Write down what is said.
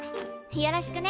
よろしくね。